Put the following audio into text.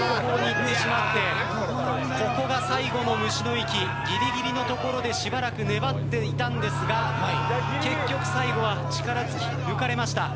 ここが最後の虫の息ぎりぎりのところでしばらく粘っていたんですが結局、最後は力尽き、抜かれました。